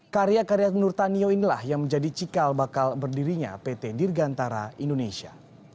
karya karya nurtanio inilah yang menjadi cikal bakal berdirinya pt dirgantara indonesia